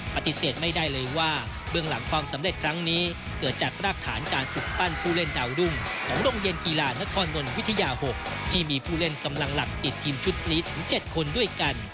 ปฏิเสธไม่ได้เลยว่าเบื้องหลังความสำเร็จครั้งนี้เกิดจากรากฐานการปลูกปั้นผู้เล่นดาวรุ่งของโรงเรียนกีฬานครนนวิทยา๖ที่มีผู้เล่นกำลังหลักติดทีมชุดนี้ถึง๗คนด้วยกัน